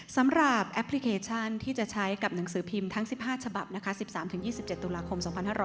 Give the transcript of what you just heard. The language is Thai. แอปพลิเคชันที่จะใช้กับหนังสือพิมพ์ทั้ง๑๕ฉบับนะคะ๑๓๒๗ตุลาคม๒๕๖๐